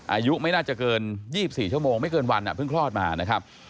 อายุไม่น่าจะเกิน๒๔ชั่วโมงไม่เกินวันเพิ่งคลอดมานะครับ